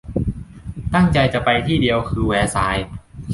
ตั้งใจไปที่เดียวคือแวร์ซายน์